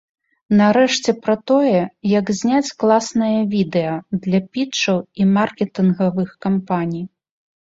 Нарэшце, пра тое, як зняць класнае відэа для пітчаў і маркетынгавых кампаній.